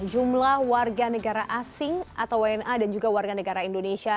jumlah warga negara asing atau wna dan juga warga negara indonesia